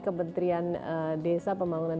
kementrian desa pembangunan